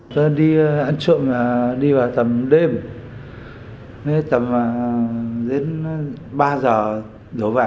tôi đi ăn trộm đi vào tầm đêm tầm đến ba giờ đổ vả